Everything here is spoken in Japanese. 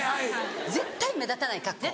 絶対目立たない格好。